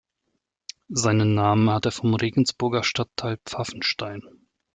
Seinen Namen hat er vom Regensburger Stadtteil Pfaffenstein.